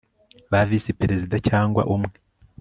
ba visi perezida cyangwa umwe